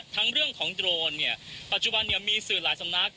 เรื่องของโดรนเนี่ยปัจจุบันมีสื่อหลายสำนัก